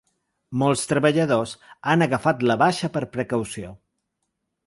Molts treballadors han agafat la baixa per precaució.